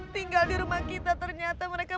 tinggal di rumah kita ternyata mereka